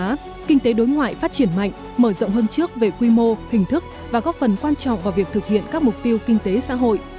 trong đó kinh tế đối ngoại phát triển mạnh mở rộng hơn trước về quy mô hình thức và góp phần quan trọng vào việc thực hiện các mục tiêu kinh tế xã hội